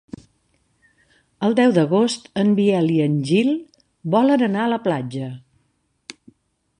El deu d'agost en Biel i en Gil volen anar a la platja.